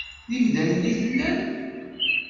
D imdanen i tellam?